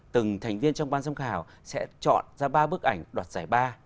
từng thành viên trong ban giám khảo sẽ chọn ra ba bức ảnh đoạt giải ba